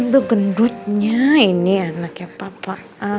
itu gendutnya ini anaknya papa